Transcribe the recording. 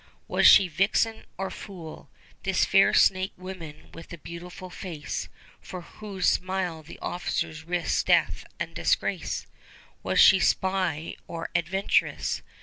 Was she vixen or fool, this fair snake woman with the beautiful face, for whose smile the officers risked death and disgrace? Was she spy or adventuress?